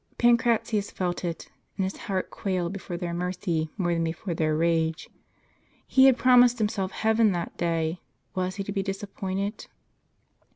Pancratius felt it, and his heart quailed before their mercy more than before their rage ; he had promised himself heaven that day ; was he to be disappointed